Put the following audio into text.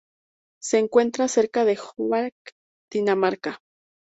Se encuentra cerca de Holbæk, Dinamarca.